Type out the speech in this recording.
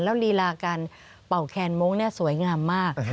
แล้วลีลาการเป่าแคนมงค์สวยงามมาก